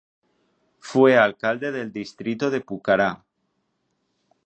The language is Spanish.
Fue Alcalde del Distrito de Pucará.